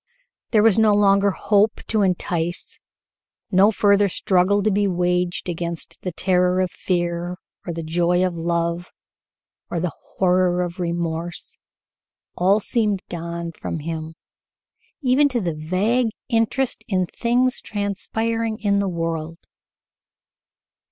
There was no longer hope to entice, no further struggle to be waged against the terror of fear, or the joy of love, or the horror of remorse; all seemed gone from him, even to the vague interest in things transpiring in the world.